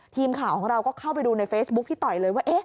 ทีมข่าวของเราก็เข้าไปดูในเฟซบุ๊คพี่ต่อยเลยว่า